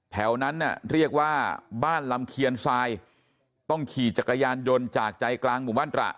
แถวนั้นน่ะเรียกว่าบ้านลำเคียนทรายต้องขี่จักรยานยนต์จากใจกลางหมู่บ้านตระ